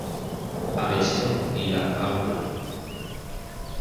Aviación y la Av.